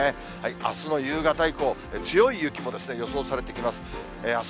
あすの夕方以降、強い雪が予想されてきます。